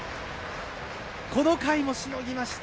この回もしのぎました。